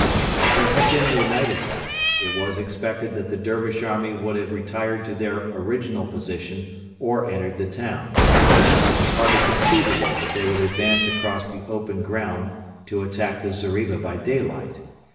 As there had been no night attack, it was expected that the Dervish army would have retired to their original position or entered the town. It was hardly conceivable that they would advance across the open ground to attack the zeriba by daylight.